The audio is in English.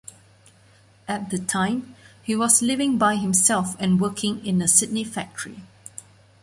At the time, he was living by himself and working in a Sydney factory.